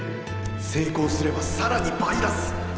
成功すればさらに倍出す！